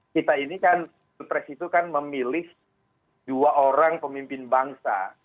kita ini kan pres itu kan memilih dua orang pemimpin bangsa